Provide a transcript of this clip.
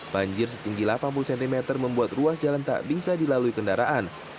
banjir setinggi delapan puluh cm membuat ruas jalan tak bisa dilalui kendaraan